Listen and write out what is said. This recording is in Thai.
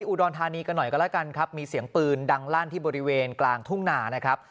อุดรธานีกันหน่อยก็แล้วกันครับมีเสียงปืนดังลั่นที่บริเวณกลางทุ่งนานะครับ